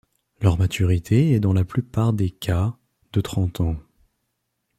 Leur maturité est dans la plupart des cas de trente ans.